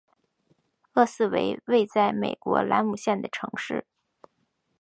厄斯为位在美国兰姆县的城市。